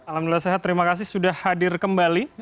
alhamdulillah sehat terima kasih sudah hadir kembali